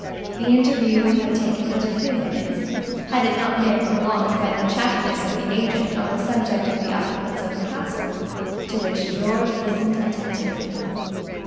The interview would have taken but a few minutes, had it not been prolonged by the chattiness of the agent on the subject of the occupants of the castle, to which George listened attentively.